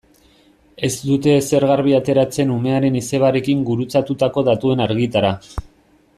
Ez dute ezer garbi ateratzen umearen izebarekin gurutzatutako datuen argitara.